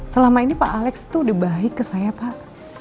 selama ini pak alex itu udah baik ke saya pak